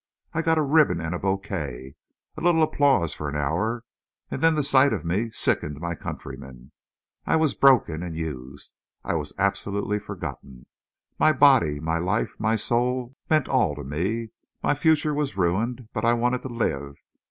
_... I got a ribbon and a bouquet—a little applause for an hour—and then the sight of me sickened my countrymen. I was broken and used. I was absolutely forgotten.... But my body, my life, my soul meant all to me. My future was ruined, but I wanted to live.